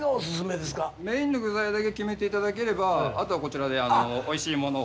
メインの具材だけ決めて頂ければあとはこちらでおいしいものを。